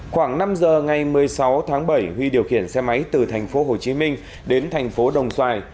khoảng năm giờ ngày một mươi sáu tháng bảy huy điều khiển xe máy từ thành phố hồ chí minh đến thành phố đồng xoài